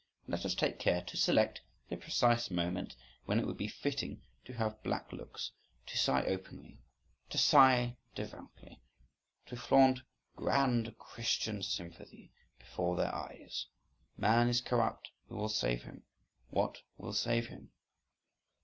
—And let us take care to select the precise moment when it would be fitting to have black looks, to sigh openly, to sigh devoutly, to flaunt grand Christian sympathy before their eyes. "Man is corrupt who will save him? _what will save him?